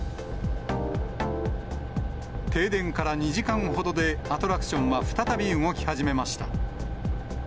停電から２時間ほどで、アトラクションは再び動き始めました。